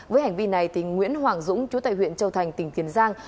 với hành vi này nguyễn hoàng dũng chú tại huyện châu thành tỉnh tiền giang